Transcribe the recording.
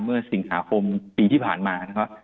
เมื่อสิงหาคมปีที่ผ่านมานะครับ